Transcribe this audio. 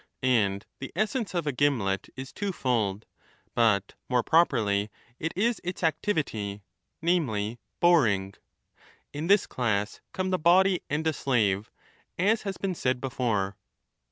And the essence of a gimlet is twofold, but more properly it is its activity, namely boring. In this class come the body and a slave, as has been said before.